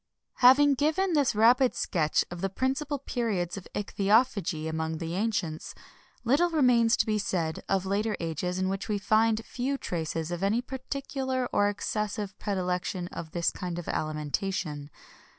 [XXI 22] Having given this rapid sketch of the principal periods of ichthyophagy among the ancients, little remains to be said of later ages in which we find few traces of any particular or excessive predilection for this kind of alimentation.